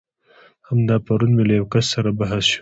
همدا پرون مې له يو کس سره بحث شو.